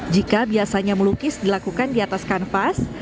jika biasanya melukis dilakukan di atas kanvas